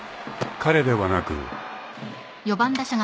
［彼ではなく］